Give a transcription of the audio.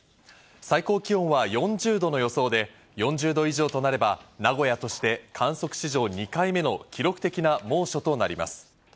最高気温は４０度の予想で、４０度以上となれば名古屋として観測史上２回目の記録的な猛暑となります。